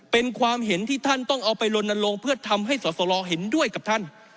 เป็นความเห็นที่ท่านต้องเอาไปลนลงเพื่อทำให้สอสรเห็นด้วยกับท่าน